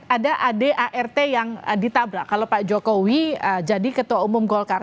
ada adart yang ditabrak kalau pak jokowi jadi ketua umum golkar